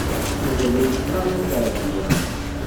Yuba la yettnaɣ Nna Seɛdiya.